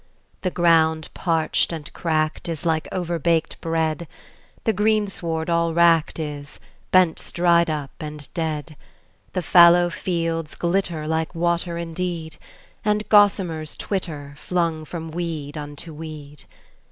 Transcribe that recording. The ground parched and cracked is like overbaked bread, The greensward all wracked is, bents dried up and dead. The fallow fields glitter like water indeed, And gossamers twitter, flung from weed unto weed.